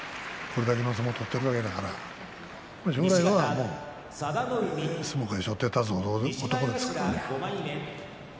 これだけの相撲を取っているわけだから将来は相撲界をしょって立つ程の男ですからね。